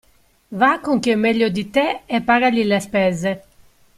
Va con chi è meglio di te e pagagli le spese.